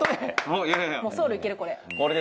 もうソウル行けるこれ。